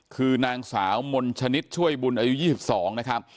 คือนางสาวมนชนิดช่วยบุญอายุ๒๒นะครับ